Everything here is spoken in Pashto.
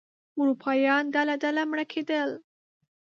اروپایان ډله ډله مړه کېدل.